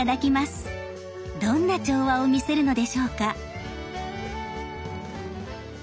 どんな調和を見せるのでしょうか。